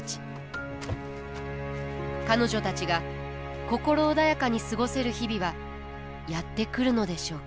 彼女たちが心穏やかに過ごせる日々はやって来るのでしょうか。